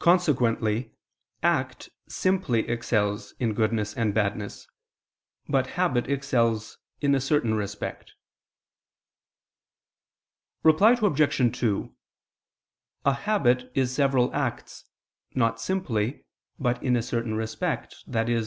Consequently act simply excels in goodness and badness, but habit excels in a certain respect. Reply Obj. 2: A habit is several acts, not simply, but in a certain respect, i.e.